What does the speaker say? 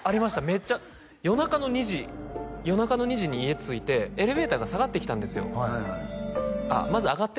めっちゃ夜中の２時夜中の２時に家着いてエレベーターが下がってきたんですよあっ